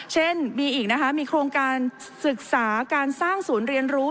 เช่นมีอีกนะคะมีโครงการศึกษาการสร้างศูนย์เรียนรู้